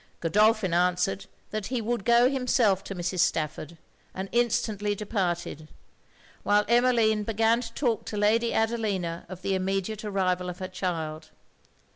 Godolphin answered that he would go himself to Mrs. Stafford, and instantly departed; while Emmeline began to talk to Lady Adelina of the immediate arrival of her child.